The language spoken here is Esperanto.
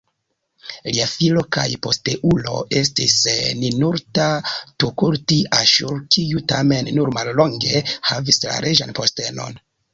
Lia filo kaj posteulo estis Ninurta-tukulti-Aŝur, kiu tamen nur mallonge havis la reĝan postenon.